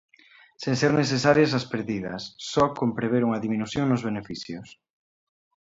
Sen ser necesarias as perdidas, só con prever unha diminución nos beneficios.